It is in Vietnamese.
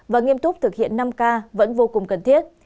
và nghiêm túc thực hiện năm k vẫn vô cùng cần thiết